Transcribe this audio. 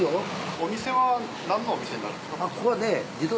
お店は何のお店になるんですか？